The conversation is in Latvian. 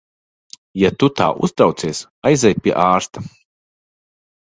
Ja tu tā uztraucies, aizej pie ārsta.